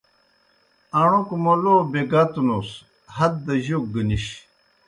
اݨوک موں لو بے گَت نُس، ہت دہ جوک گہ نِش۔